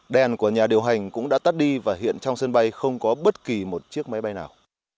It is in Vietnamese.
đèn của nhà điều hành cũng đã tắt đi và hiện trong sân bay không có bất kỳ một chiếc máy bay nào